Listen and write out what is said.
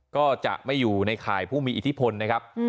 ก็จะไม่อยู่ในข่ายผู้มีอิทธิพลนะครับ